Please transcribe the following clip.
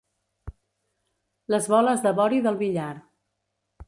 Les boles de vori del billar.